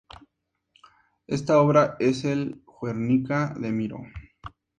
Esta obra es el "Guernica" de Miró.